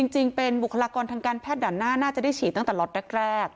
จริงเป็นบุคลากรทางการแพทย์ด่านหน้าน่าจะได้ฉีดตั้งแต่ล็อตแรก